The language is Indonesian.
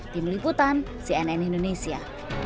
tim liputan cnn indonesia